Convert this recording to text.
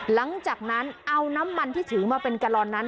หลังจากนั้นเอาน้ำมันที่ถือมาเป็นกะลอนนั้น